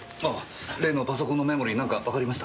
例のパソコンのメモリー何かわかりました？